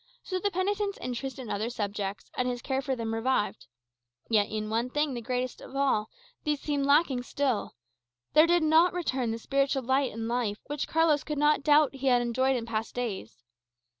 So the penitent's interest in other subjects, and his care for them, revived; yet in one thing, the greatest of all, these seemed lacking still. There did not return the spiritual light and life, which Carlos could not doubt he had enjoyed in past days.